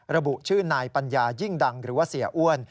ระบุชื่อนายปัญญายิ่งดังหรือว่าเสียอ้วน